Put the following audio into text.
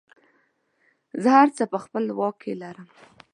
زه هر څه په خپله واک کې لرم.